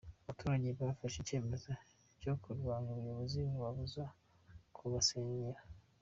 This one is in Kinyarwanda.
Abaturage bafashe icyemezo cyo kurwanya ubuyobozi babubuza kubasenyera.